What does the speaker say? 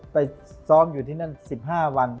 ไปซ้อมอยู่ที่นั่น๑๕วัน